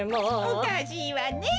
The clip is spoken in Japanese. おかしいわね